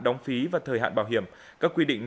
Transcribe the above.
đóng phí và thời hạn bảo hiểm các quy định